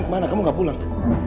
kemana kamu gak pulang